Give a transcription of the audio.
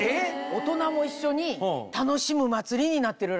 ⁉大人も一緒に楽しむ祭りになってるらしいのよ。